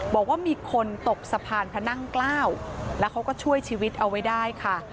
บอกว่ามีคนตกสะพานพระนั่งเกล้าแล้วเขาก็ช่วยชีวิตเอาไว้ได้ค่ะ